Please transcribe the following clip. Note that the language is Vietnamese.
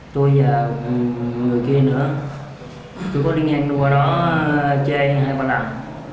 tôi và một người kia nữa tôi có đi ngang qua đó chơi hai ba lần